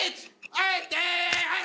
はい！